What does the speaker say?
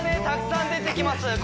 たくさん出てきます